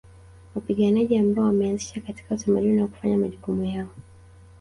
Wapiganaji ambao wameanzishwa katika utamaduni wa kufanya majukumu yao